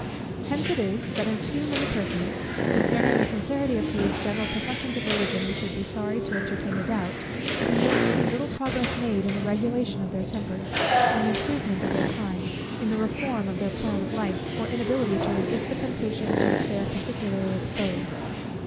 Hence it is, that in too many persons, concerning the sincerity of whose general professions of Religion we should be sorry to entertain a doubt, we yet see little progress made in the regulation of their tempers, in the improvement of their time, in the reform of their plan of life, or inability to resist the temptation to which they are particularly exposed.